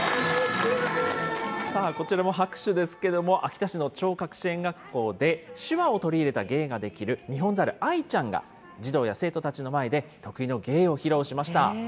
さあ、こちらも拍手ですけれども、秋田市の聴覚支援学校で、手話を取り入れた芸ができるニホンザル、あいちゃんが児童や生徒たちの前で、得意の芸を披露しました。